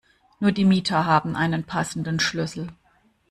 Nur die Mieter haben einen passenden Schlüssel.